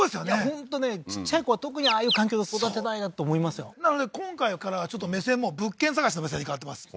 本当ねちっちゃい子は特にああいう環境で育てたいなと思いますよなので今回からはちょっと目線も物件探しの目線に変わってます